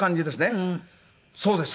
そうです！